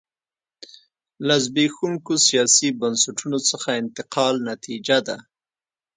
له زبېښونکو سیاسي بنسټونو څخه انتقال نتیجه ده.